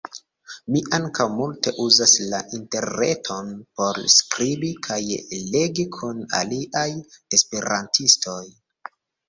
Mi ankaŭ multe uzas la interreton por skribi kaj legi kun aliaj esperantistoj.